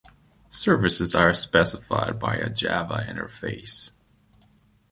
Services are specified by a Java interface.